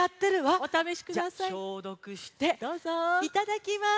いただきます。